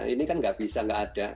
ini kan enggak bisa enggak ada